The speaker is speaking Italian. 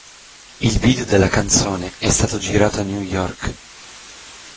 Il video della canzone è stato girato a New York